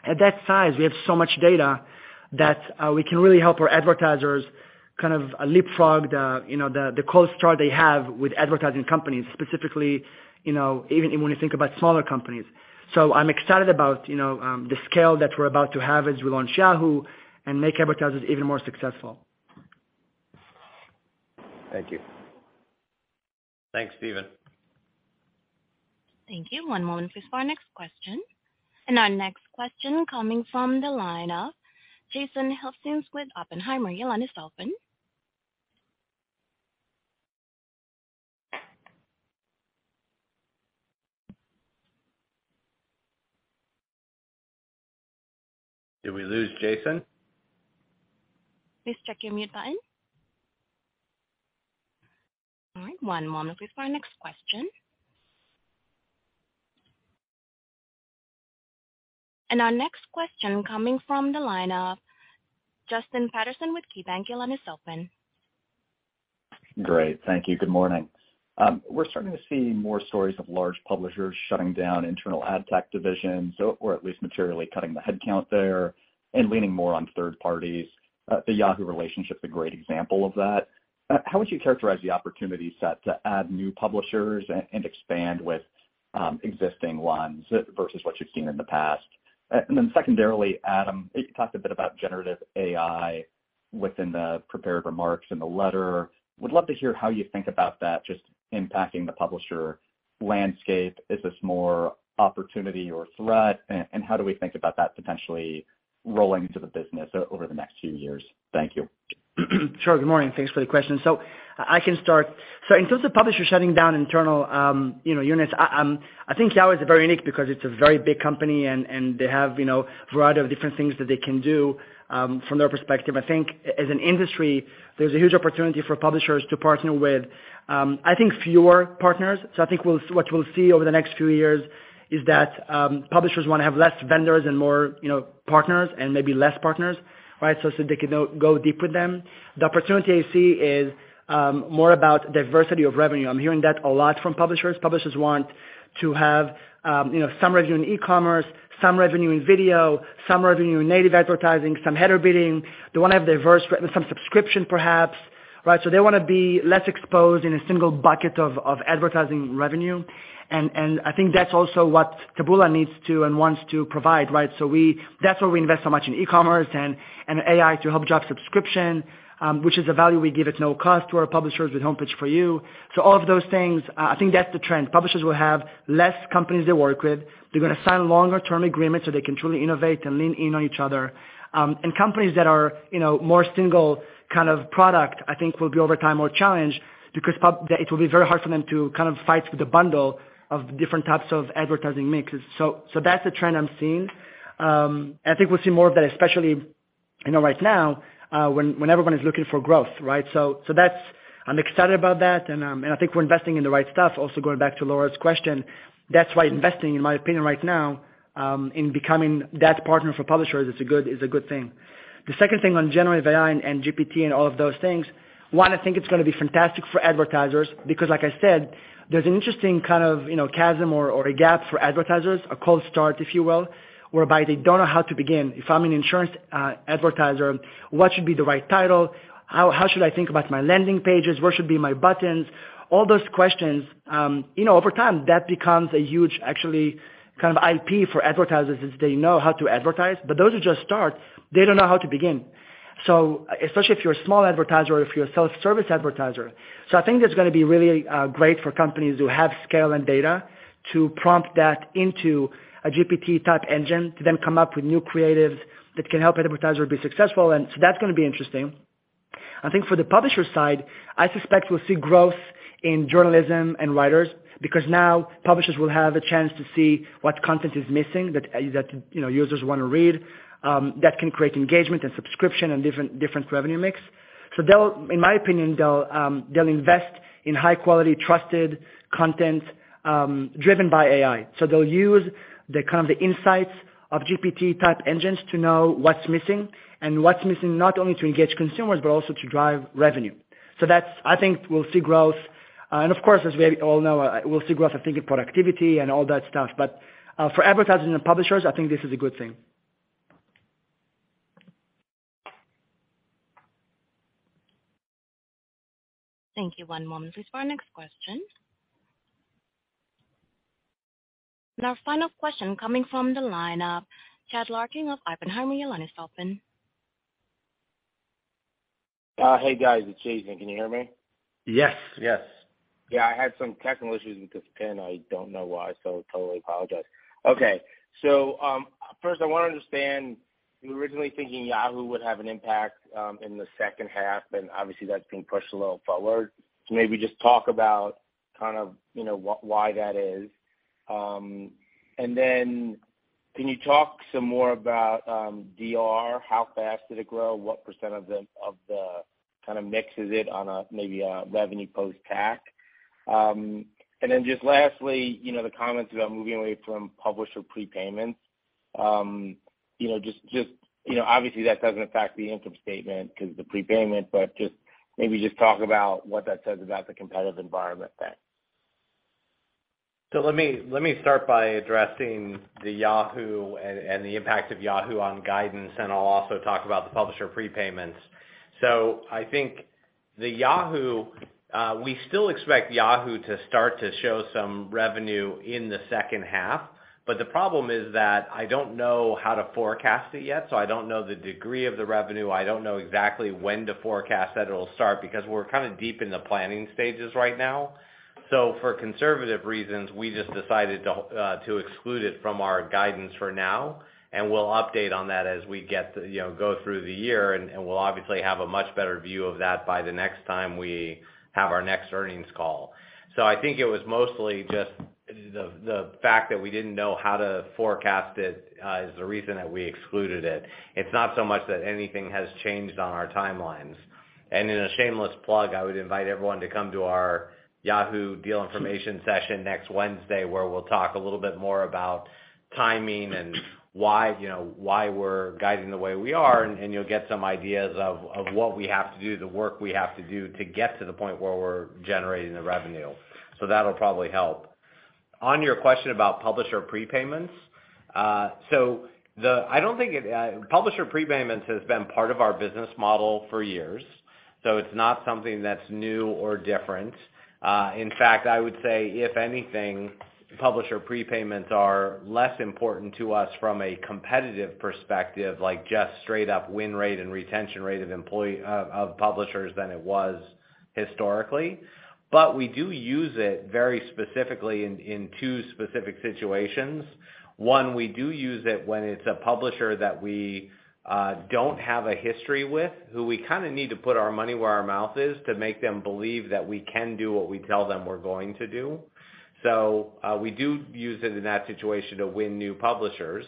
At that size, we have so much data that we can really help our advertisers kind of leapfrog the, you know, the close chart they have with advertising companies specifically, you know, even when you think about smaller companies. I'm excited about, you know, the scale that we're about to have as we launch Yahoo and make advertisers even more successful. Thank you. Thanks, Stephen. Thank you. One moment please for our next question. Our next question coming from the line of Jason Helfstein with Oppenheimer. Your line is open. Did we lose Jason? Please check your mute button. All right, one moment please for our next question. Our next question coming from the line of Justin Patterson with KeyBanc. Your line is open. Great. Thank you. Good morning. We're starting to see more stories of large publishers shutting down internal ad tech divisions or at least materially cutting the headcount there and leaning more on third parties. The Yahoo relationship's a great example of that. How would you characterize the opportunity set to add new publishers and expand with existing ones versus what you've seen in the past? Secondarily, Adam, you talked a bit about generative AI within the prepared remarks in the letter. Would love to hear how you think about that just impacting the publisher landscape. Is this more opportunity or threat? How do we think about that potentially rolling into the business over the next few years? Thank you. Sure. Good morning. Thanks for the question. I can start. In terms of publishers shutting down internal, you know, units, I think Yahoo is very unique because it's a very big company and they have, you know, a variety of different things that they can do from their perspective. I think as an industry, there's a huge opportunity for publishers to partner with, I think fewer partners. I think what we'll see over the next few years is that publishers wanna have less vendors and more, you know, partners and maybe less partners, right? They can go deep with them. The opportunity I see is more about diversity of revenue. I'm hearing that a lot from publishers. Publishers want to have, you know, some revenue in e-commerce, some revenue in video, some revenue in native advertising, some header bidding. They wanna have diverse some subscription perhaps, right. They wanna be less exposed in a single bucket of advertising revenue. I think that's also what Taboola needs to and wants to provide, right. That's why we invest so much in e-commerce and AI to help drive subscription, which is a value we give at no cost to our publishers with Homepage For You. All of those things, I think that's the trend. Publishers will have less companies they work with. They're gonna sign longer term agreements, so they can truly innovate and lean in on each other. Companies that are, you know, more single kind of product, I think will be over time, more challenged because it will be very hard for them to kind of fight with the bundle of different types of advertising mixes. That's the trend I'm seeing. I think we'll see more of that, especially, I know right now, when everyone is looking for growth, right? That's. I'm excited about that and, I think we're investing in the right stuff. Going back to Laura's question, that's why investing, in my opinion right now, in becoming that partner for publishers is a good thing. The second thing on generative AI and GPT and all of those things, one, I think it's gonna be fantastic for advertisers because like I said, there's an interesting kind of, you know, chasm or a gap for advertisers, a cold start, if you will, whereby they don't know how to begin. If I'm an insurance advertiser, what should be the right title? How should I think about my landing pages? Where should be my buttons? All those questions. You know, over time, that becomes a huge, actually kind of IP for advertisers is they know how to advertise. Those who just start, they don't know how to begin. Especially if you're a small advertiser or if you're a self-service advertiser. I think it's going to be really great for companies who have scale and data to prompt that into a GPT type engine to then come up with new creatives that can help advertisers be successful. That's going to be interesting. I think for the publisher side, I suspect we'll see growth in journalism and writers because now publishers will have a chance to see what content is missing that, you know, users want to read, that can create engagement and subscription and different revenue mix. In my opinion, they'll invest in high quality, trusted content, driven by AI. They'll use the kind of the insights of GPT type engines to know what's missing and what's missing, not only to engage consumers but also to drive revenue. I think we'll see growth. Of course, as we all know, we'll see growth, I think, in productivity and all that stuff. For advertisers and publishers, I think this is a good thing. Thank you. One moment please for our next question. Our final question coming from the line of Chad Larkin of Oppenheimer. Your line is open. Hey, guys, it's Jason. Can you hear me? Yes. Yes. Yeah, I had some technical issues with this pen. I don't know why, so totally apologize. Okay. First, I wanna understand, you were originally thinking Yahoo would have an impact in the second half, and obviously that's being pushed a little forward. Maybe just talk about kind of, you know, why that is. Can you talk some more about DR? How fast did it grow? What % of the kind of mix is it on a, maybe a revenue post-tax? Just lastly, you know, the comments about moving away from publisher prepayments. You know, just, you know, obviously, that doesn't affect the income statement 'cause of the prepayment, but just maybe just talk about what that says about the competitive environment then. Let me start by addressing the Yahoo and the impact of Yahoo on guidance, and I'll also talk about the publisher prepayments. I think the Yahoo, we still expect Yahoo to start to show some revenue in the second half. The problem is that I don't know how to forecast it yet, so I don't know the degree of the revenue, I don't know exactly when to forecast that it'll start because we're kind of deep in the planning stages right now. For conservative reasons, we just decided to exclude it from our guidance for now, and we'll update on that as we get, you know, go through the year. And we'll obviously have a much better view of that by the next time we have our next earnings call. I think it was mostly just the fact that we didn't know how to forecast it is the reason that we excluded it. It's not so much that anything has changed on our timelines. In a shameless plug, I would invite everyone to come to our Yahoo deal information session next Wednesday, where we'll talk a little bit more about timing and why, you know, why we're guiding the way we are, and you'll get some ideas of what we have to do, the work we have to do to get to the point where we're generating the revenue. That'll probably help. On your question about publisher prepayments, I don't think publisher prepayments has been part of our business model for years, so it's not something that's new or different. In fact, I would say, if anything, publisher prepayments are less important to us from a competitive perspective, like just straight up win rate and retention rate of publishers than it was historically. We do use it very specifically in two specific situations. One, we do use it when it's a publisher that we don't have a history with, who we kind of need to put our money where our mouth is to make them believe that we can do what we tell them we're going to do. We do use it in that situation to win new publishers.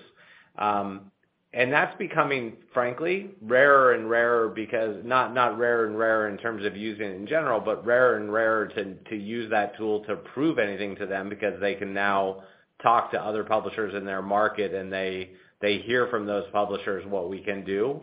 That's becoming, frankly, rarer and rarer because, not rarer and rarer in terms of using it in general, but rarer and rarer to use that tool to prove anything to them because they can now talk to other publishers in their market, and they hear from those publishers what we can do.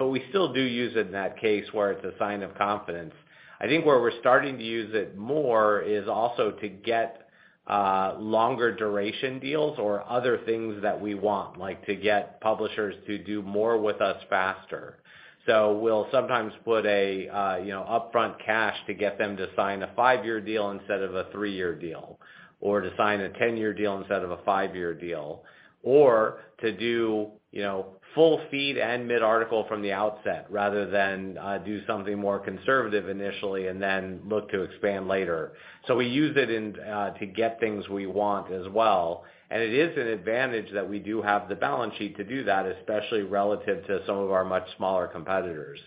We still do use it in that case, where it's a sign of confidence. I think where we're starting to use it more is also to get longer duration deals or other things that we want, like to get publishers to do more with us faster. We'll sometimes put a, you know, upfront cash to get them to sign a 5-year deal instead of a 3-year deal or to sign a 10-year deal instead of a 5-year deal, or to do, you know, full feed and mid-article from the outset rather than do something more conservative initially and then look to expand later. We use it in to get things we want as well. It is an advantage that we do have the balance sheet to do that, especially relative to some of our much smaller competitors.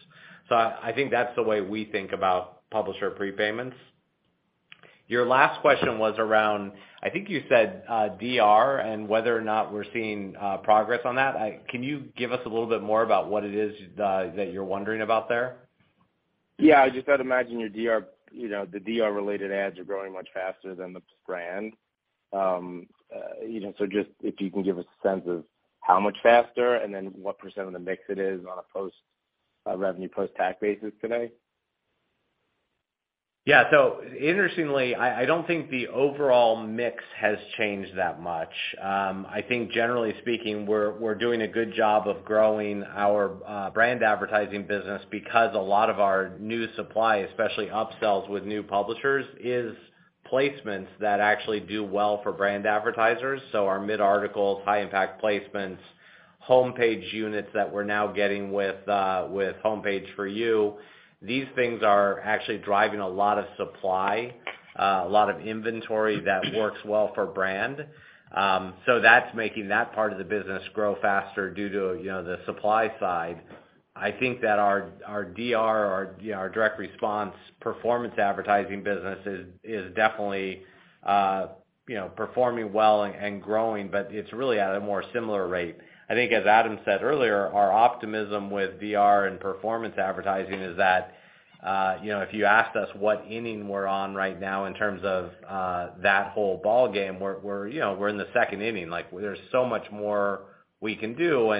I think that's the way we think about publisher prepayments. Your last question was around, I think you said, DR and whether or not we're seeing progress on that. Can you give us a little bit more about what it is that you're wondering about there? Yeah. I just had imagined your DR, you know, the DR-related ads are growing much faster than the brand. You know, just if you can give a sense of how much faster and then what % of the mix it is on a post revenue post-tax basis today. Yeah. Interestingly, I don't think the overall mix has changed that much. I think generally speaking, we're doing a good job of growing our brand advertising business because a lot of our new supply, especially upsells with new publishers, is placements that actually do well for brand advertisers. Our mid-articles, high-impact placements, homepage units that we're now getting with Homepage For You, these things are actually driving a lot of supply, a lot of inventory that works well for brand. That's making that part of the business grow faster due to, you know, the supply side. I think that our DR, our, you know, our direct response performance advertising business is definitely, you know, performing well and growing, but it's really at a more similar rate. I think, as Adam said earlier, our optimism with DR and performance advertising is that, you know, if you asked us what inning we're on right now in terms of, that whole ball game, we're, you know, we're in the second inning. Like, there's so much more we can do.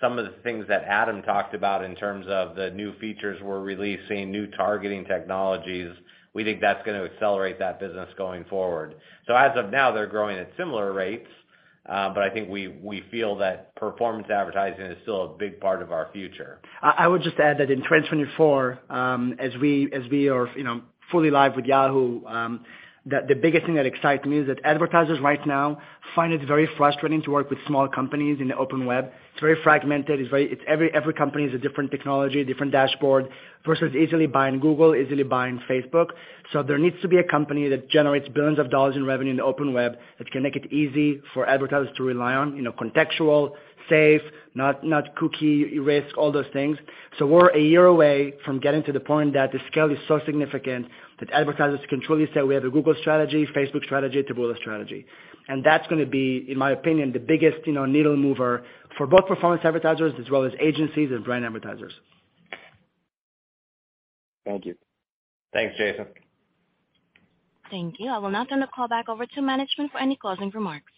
Some of the things that Adam talked about in terms of the new features we're releasing, new targeting technologies, we think that's gonna accelerate that business going forward. As of now, they're growing at similar rates. I think we feel that performance advertising is still a big part of our future. I would just add that in 2024, as we are, you know, fully live with Yahoo, the biggest thing that excites me is that advertisers right now find it very frustrating to work with small companies in the open web. It's very fragmented. It's every company is a different technology, different dashboard versus easily buying Google, easily buying Facebook. There needs to be a company that generates billions of dollars in revenue in the open web that can make it easy for advertisers to rely on, you know, contextual, safe, not cookie risk, all those things. We're a year away from getting to the point that the scale is so significant that advertisers can truly say we have a Google strategy, Facebook strategy, Taboola strategy. That's gonna be, in my opinion, the biggest, you know, needle mover for both performance advertisers as well as agencies and brand advertisers. Thank you. Thanks, Jason. Thank you. I will now turn the call back over to management for any closing remarks.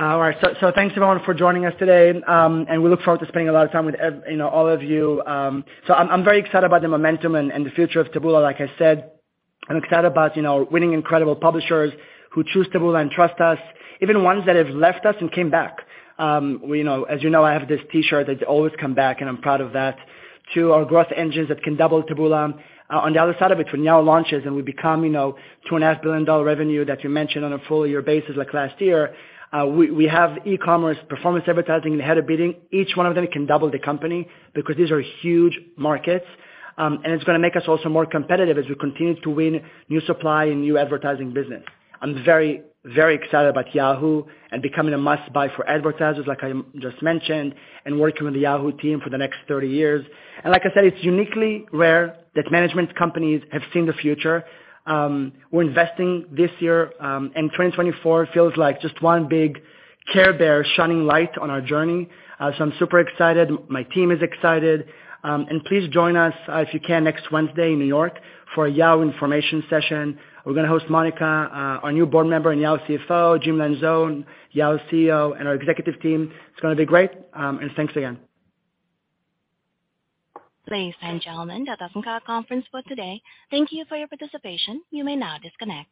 Thanks everyone for joining us today, and we look forward to spending a lot of time with you know, all of you. I'm very excited about the momentum and the future of Taboola, like I said. I'm excited about, you know, winning incredible publishers who choose Taboola and trust us, even ones that have left us and came back. As you know, I have this T-shirt that they always come back, and I'm proud of that. To our growth engines that can double Taboola. On the other side of it, when Yahoo launches and we become, you know, $2.5 billion revenue that you mentioned on a full year basis like last year, we have e-commerce, performance advertising, and header bidding. Each one of them can double the company because these are huge markets, and it's gonna make us also more competitive as we continue to win new supply and new advertising business. I'm very, very excited about Yahoo and becoming a must-buy for advertisers, like I just mentioned, and working with the Yahoo team for the next 30 years. Like I said, it's uniquely rare that management companies have seen the future. We're investing this year, and 2024 feels like just one big Care Bear shining light on our journey. I'm super excited. My team is excited. Please join us, if you can, next Wednesday in New York for a Yahoo information session. We're gonna host Monica, our new Board Member and Yahoo CFO, Jim Lanzone, Yahoo CEO, and our executive team. It's gonna be great, and thanks again. Ladies and gentlemen, that does end our conference for today. Thank you for your participation. You may now disconnect.